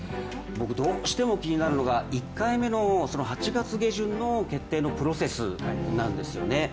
僕、どうしても気になるのが１回目の８月下旬の決定のプロセスなんですよね。